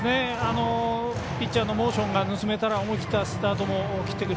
ピッチャーのモーションが盗めたら思い切ったスタートも切ってくる。